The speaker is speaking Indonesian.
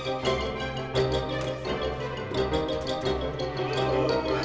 oke kalau iggy masih di sana